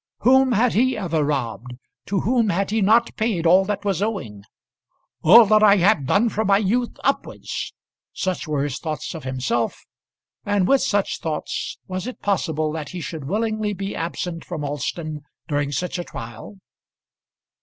Whom had he ever robbed? To whom had he not paid all that was owing? "All that have I done from my youth upwards." Such were his thoughts of himself; and with such thoughts was it possible that he should willingly be absent from Alston during such a trial?